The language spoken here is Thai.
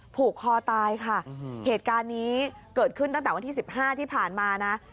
ผูกคอตายค่ะเหตุการณ์นี้เกิดขึ้นตั้งแต่วันที่๑๕ที่ผ่านมานะ